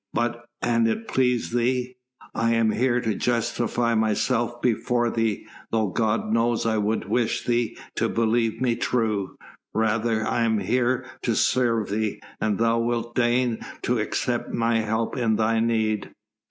"But, an it please thee, I am not here to justify myself before thee, though God knows I would wish thee to believe me true; rather am I here to serve thee, an thou wilt deign to accept my help in thy need."